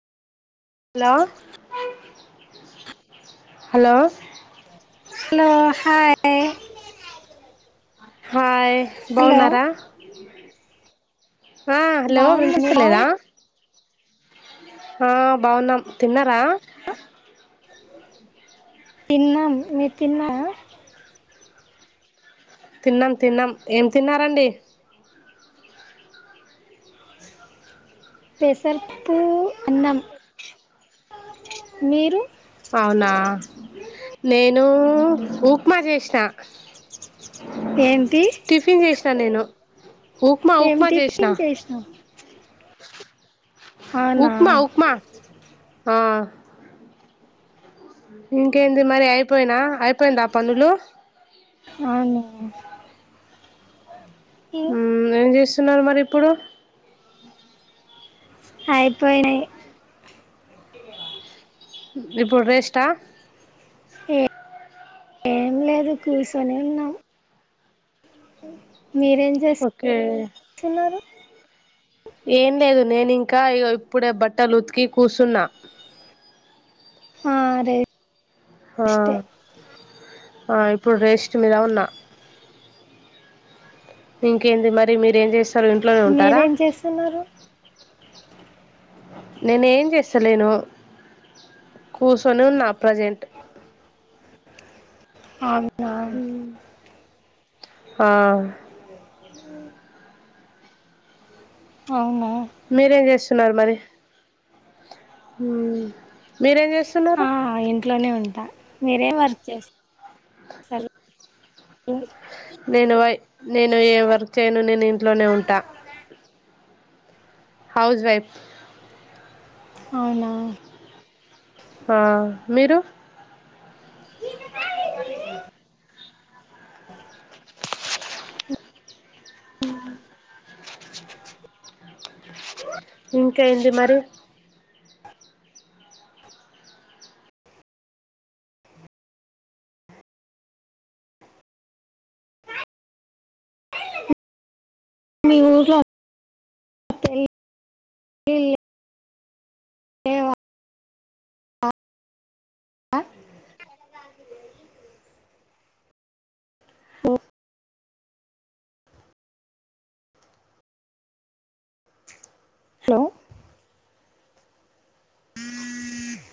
Hello hello hello hi hi hello బావున్నారా? ఆ hello బాగున్నా మీరు బాగు వినిపిస్తలేదా? ఆ బాగున్నాం తిన్నారా? తిన్నాం మీరు తిన్నారా? తిన్నాం తిన్నాం ఏం తిన్నారండి? పెసర్పు అన్నం మీరు అవ్నా? నేనూ ఉప్మా చేస్నా ఏంటి టిఫిన్ చేసినా నేను ఉప్మా ఏం ఉప్మా చేసినా టిఫిన్ చేసినావు అవునా ఉప్మా ఉప్మా ఆ ఇంకేంది మరి అయిపోయినా అయిపోయింది పనులు అ ఉమ్ ఏం చేస్తున్నారు మరి ఇప్పుడు ఐపేనాయ్. ఇప్పుడు రేస్టా ఏ ఏం లేదు కూసొనె ఉన్నాం. మీరేం ఓకే చేస్తున్నారు? ఏం లేదు నేనింకా ఇగొ ఇప్పుడే బట్టలు ఉతికి కూసున్నా. ఆ రే ఆ ఆ ఇప్పుడు రేస్ట్ మీద ఉన్న ఇంకేంది మరి మీరు ఏం చేస్తారు ఇంట్లోనే ఉంటారా? మీరేం చేస్తున్నారు నేను ఏం చేస్తలేను. కూసొని ఉన్నా ప్రజెంట్ అవునా ఉమ్ ఆ ఇ అవును. మీరేం చేస్తున్నారు మరి ఉమ్ మీరేం చేస్తున్నారు? ఆ ఇంట్లోనే మీరేం వర్క్ చేస్ సర్ నేను వై నేను ఏ వర్క్ ఎయ్ను నేను ఇంట్లోనే ఉంటా. హౌస్ వైఫ్ అవునా? ఆ మీరు సరే ఇంకా ఏన్ది మరి మీ ఊర్లో ఏ ఏ [inaudible] ఆ [inaudible] ఓ హలో మ్మ్